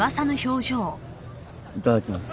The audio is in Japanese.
いただきます。